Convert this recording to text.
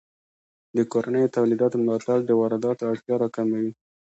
د کورنیو تولیداتو ملاتړ د وارداتو اړتیا راکموي.